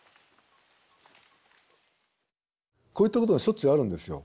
こういったことがしょっちゅうあるんですよ。